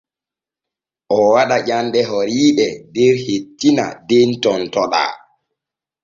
O waɗa ƴanɗe horiiɗe der hettina den tontoɗaa.